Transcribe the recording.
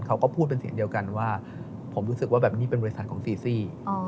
เขาก็พูดเป็นเสียงเดียวกันว่าผมรู้สึกว่าแบบนี้เป็นบริษัทของซีซี่